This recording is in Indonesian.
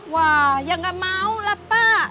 wah ya nggak mau lah pak